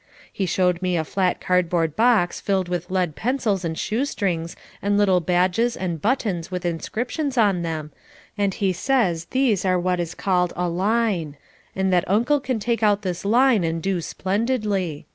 He showed me a flat cardboard box filled with lead pencils and shoe strings and little badges and buttons with inscriptions on them, and he says these are what is called a "line," and that Uncle can take out this line and do splendidly.